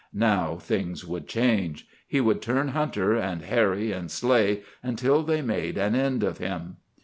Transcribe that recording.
Now things would change. He would turn hunter, and harry and slay until they made an end of him.